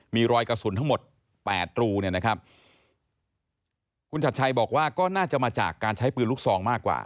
มีรอยกระสุนทั้งหมดแปดรูเนี่ยนะครับคุณชัดชัยบอกว่าก็น่าจะมาจากการใช้ปืนลูกซองมากกว่า